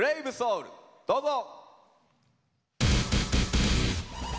どうぞ！